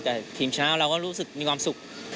แต่ทีมเช้าเราก็รู้สึกมีความสุข